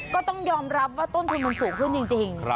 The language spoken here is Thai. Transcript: ก็ต้องยอมรับว่าต้นทุนมันสูงขึ้นจริง